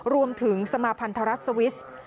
รวมถึงสมาพันธรรษสวิสเซอแลนด์